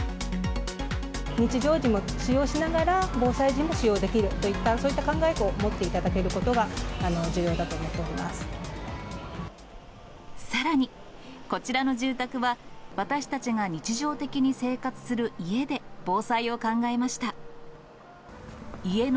日常時も使用しながら、防災時も使用できるといった、そういった考えを持っていただけさらに、こちらの住宅は、私たちが日常的に生活する家で防災を考えました。